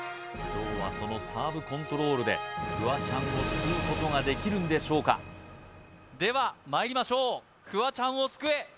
今日はそのサーブコントロールでフワちゃんを救うことができるんでしょうかではまいりましょうフワちゃんを救え！